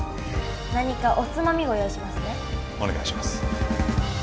何かおつまみご用意しますねお願いします